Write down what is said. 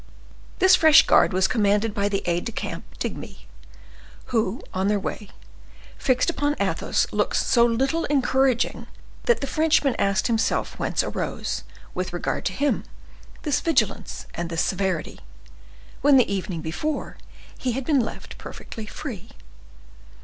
This fresh guard was commanded by the aid de camp Digby, who, on their way, fixed upon Athos looks so little encouraging, that the Frenchman asked himself whence arose, with regard to him, this vigilance and this severity, when the evening before he had been left perfectly free.